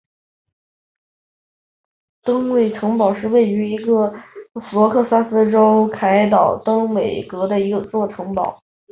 邓韦根城堡是一座位于苏格兰西海岸斯凯岛邓韦根的一座城堡。